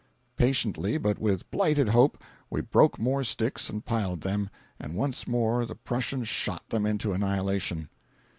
Patiently, but with blighted hope, we broke more sticks and piled them, and once more the Prussian shot them into annihilation.